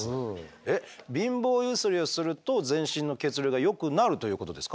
えっ貧乏ゆすりをすると全身の血流がよくなるということですか？